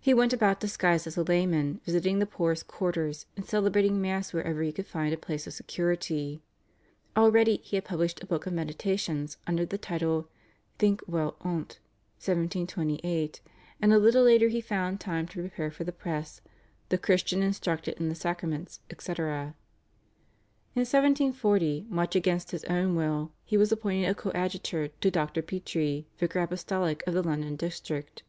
He went about disguised as a layman, visiting the poorest quarters, and celebrating Mass wherever he could find a place of security. Already he had published a book of meditations under the title /Think Well On't/ (1728), and a little later he found time to prepare for the press /The Christian Instructed in the Sacraments, etc/. In 1740, much against his own will, he was appointed coadjutor to Dr. Petre, vicar apostolic of the London district.